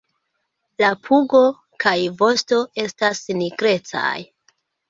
La pugo kaj vosto estas nigrecaj.